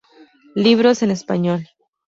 Libros en español.